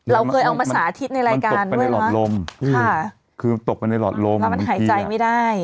เราเกิดเอามาสาธิตในรายการด้วยและวองค่ะคือตกไปในหน่อมันหายใจไม่ได้